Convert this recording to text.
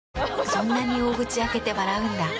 そんなに大口開けて笑うんだ。